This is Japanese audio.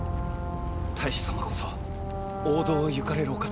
太守様こそ王道を行かれるお方。